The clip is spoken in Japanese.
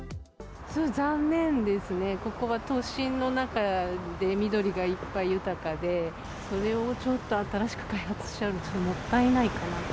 残念ですね、ここは都心の中で緑がいっぱい、豊かで、それをちょっと新しく開発しちゃうのは、もったいないかな。